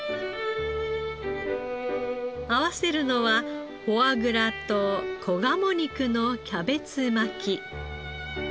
合わせるのはフォアグラと仔鴨肉のキャベツ巻き。